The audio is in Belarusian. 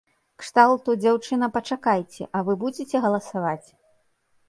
Кшталту, дзяўчына, пачакайце, а вы будзеце галасаваць?